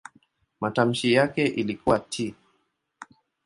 Matamshi yake ilikuwa "t".